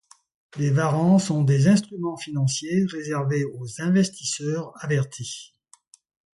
Les warrants sont des instruments financiers réservés aux investisseurs avertis.